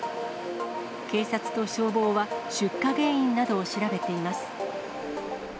警察と消防は、出火原因などを調べています。